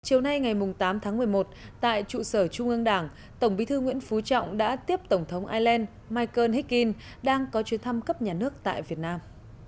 chiều nay ngày tám tháng một mươi một tại trụ sở trung ương đảng tổng bí thư nguyễn phú trọng đã tiếp tổng thống ireland michael hick in đang có chuyến thăm cấp nhà nước tại việt nam